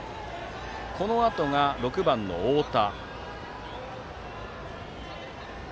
このあとが６番の太田。